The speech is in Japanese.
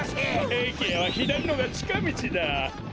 えきへはひだりのがちかみちだ！